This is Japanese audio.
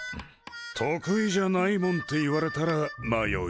得意じゃないもんって言われたら迷うよな。